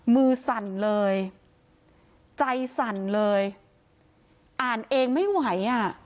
สั่นเลยใจสั่นเลยอ่านเองไม่ไหวอ่ะ